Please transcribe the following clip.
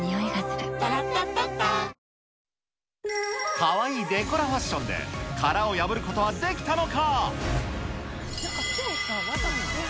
かわいいデコラファッションで、殻を破ることはできたのか。